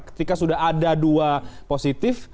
ketika sudah ada dua positif